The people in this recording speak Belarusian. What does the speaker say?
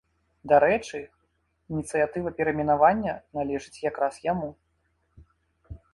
Дарэчы, ініцыятыва перайменавання належыць якраз яму.